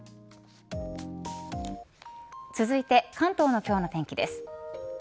続いて、関東の今日の天気です。